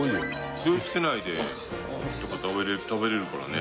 ・醤油つけないでやっぱ食べれるからね。